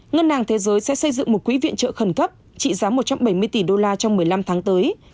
ngân hàng thế giới sẽ xây dựng một quỹ viện trợ khẩn cấp trị giá một trăm bảy mươi tỷ đô la trong một mươi năm tháng tới